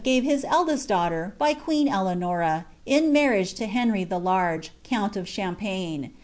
gB»e his eldest daughter, by queen Eleanora, in msrriagBta Henry the Large, count of Champagne.